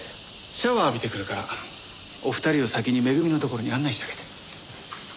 シャワー浴びてくるからお二人を先にめぐみのところに案内してあげて。